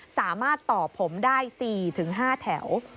สามารถต่อผมได้๔๕แถว